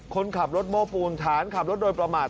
คนขับรถโม้ปูนฐานขับรถโดยประมาท